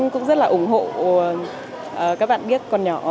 cũng rất là ủng hộ các bạn biết còn nhỏ